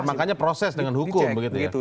makanya proses dengan hukum begitu ya